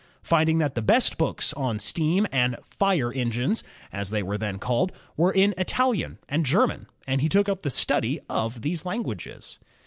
Finding that the best books on steam and "fire engines," as they were then called, were in Italian and German, he took up the study of these languages.